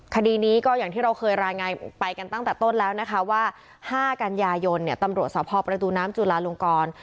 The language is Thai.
คดีนี้ก็อย่างที่เราเคยรายงานไปกันตั้งแต่ต้นแล้วนะคะว่า๕กันยายนตำรวจสพประตูน้ำจุลาลงกร